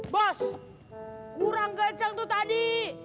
bos kurang kenceng tuh tadi